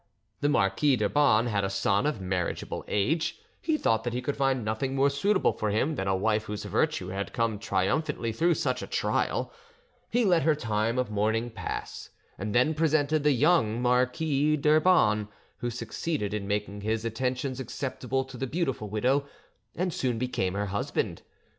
The Marquis d'Urban had a son of marriageable age; he thought that he could find nothing more suitable for him than a wife whose virtue had come triumphantly through such a trial: he let her time of mourning pass, and then presented the young Marquis d'Urban, who succeeded in making his attentions acceptable to the beautiful widow, and soon became her husband.